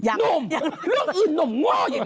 ยังเนาะเรื่องอื่นหนุ่มง่ออย่างนี้ไหม